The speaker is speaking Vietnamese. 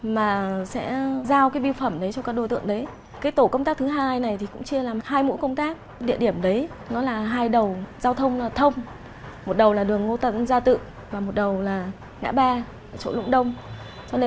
mà sẽ bám theo chúng chọn địa điểm thích hợp mới ra tay